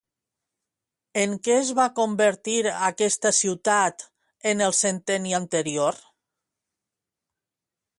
En què es va convertir aquesta ciutat en el centenni anterior?